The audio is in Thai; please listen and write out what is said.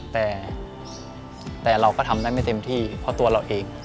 แต่เราก็ทำได้ไม่เต็มที่เพราะตัวเราเอง